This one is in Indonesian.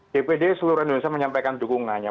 dpd seluruh indonesia menyampaikan dukungannya